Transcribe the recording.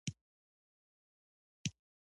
په همدې کار یې پر سر پنځه ویشت ډالره واخیستل.